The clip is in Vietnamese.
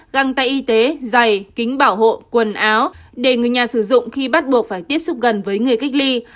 găng tay y tế dày kính bảo hộ quần áo để người nhà sử dụng khi bắt buộc phải tiếp xúc gần với người cách ly